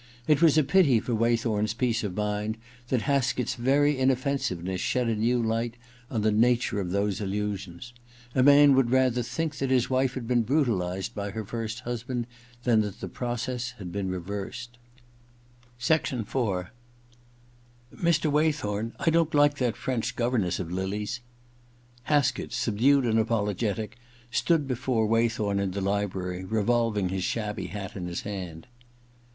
... It was a pity for Waythorn's peace of mind that Haskett*s very inoffensiveness shed a new light on the nature of those illusions. A man would rather think that his wife has been brutalized by her first husband than that the process has been reversed. IV *Mr. Waythorn, I don't like that French governess of Lily's.* Haskett, subdued and apologetic, stood before Waythorn in the library, revolving his shabby hat in his hand.